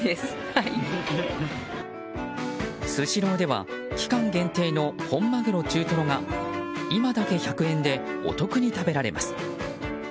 スシローでは期間限定の本鮪中トロが今だけ１００円でお得に食べられます。